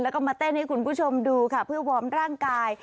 แล้วก็มาเต้นให้คุณผู้ชมดูค่ะเพื่อวอร์มร่างกาย